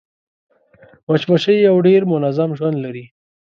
مچمچۍ یو ډېر منظم ژوند لري